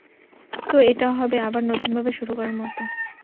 তো এটা হবে আবার নতুনভাবে শুরু করার মতো।